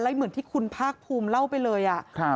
แล้วเหมือนที่คุณพระอกฟูมิเล่าไปเลยอะ